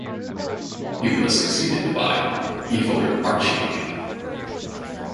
He was succeeded by Ivor Archie.